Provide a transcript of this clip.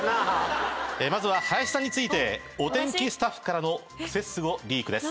まずは林さんについてお天気スタッフからのクセスゴリークです。